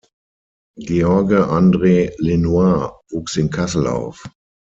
George Andre Lenoir wuchs in Kassel auf.